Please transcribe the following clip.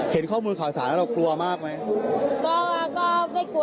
หรือลูกจ่ายบอกว่าใช้ไม่ได้นะ